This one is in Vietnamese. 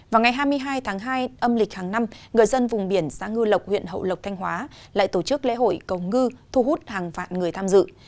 vào ngày hai mươi hai tháng hai âm lịch hàng năm người dân vùng biển xã ngư lộc huyện hậu lộc thanh hóa lại tổ chức lễ hội cầu ngư thu hút hàng vạn người tham dự